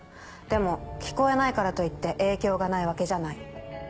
でも聞こえないからといって影響がないわけじゃない。